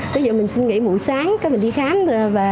ví dụ mình xin nghỉ buổi sáng mình đi khám rồi về